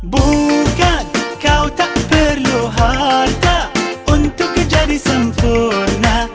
bukan kau tak perlu harta untuk menjadi sempurna